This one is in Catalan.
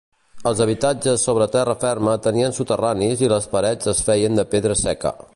Els habitatges sobre terra ferma tenien soterranis i les parets es feien de pedra seca.